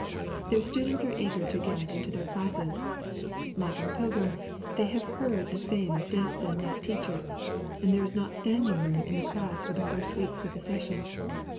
Their students are eager to get into their classes; like our pilgrim, they have heard the fame of this and that teacher, and there is not standing room in the class for the first weeks of the session.